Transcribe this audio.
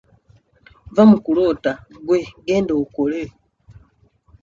Vva mu kuloota gwe genda okole.